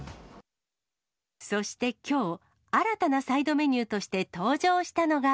そしてきょう、新たなサイドメニューとして登場したのが。